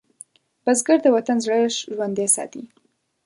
بزګر د وطن زړه ژوندی ساتي